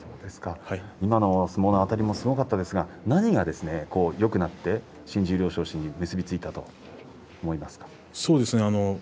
今の相撲のあたりもすごかったですが何がよくなって、新十両昇進に結び付いたと思いますか。